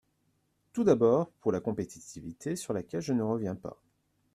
Tout d’abord, pour la compétitivité sur laquelle je ne reviens pas.